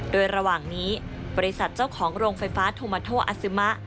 โดยระหว่างนี้บริษัทเจ้าของโรงไฟฟ้าโทมาโทอาซึมะ